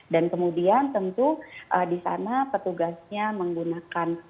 dan kemudian tentu di sana petugasnya menggunakan